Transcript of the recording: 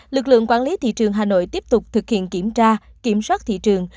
lực lượng quản lý thị trường hà nội tiếp tục thực hiện kiểm tra kiểm soát thị trường